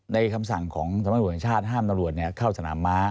ในคำสั่งของธรรมชาติห้ามตำรวจเข้าสนามมา